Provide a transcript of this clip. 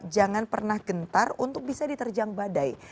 jangan pernah gentar untuk bisa diterjang badai